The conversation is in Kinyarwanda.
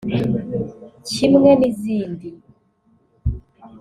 kimwe n’izindi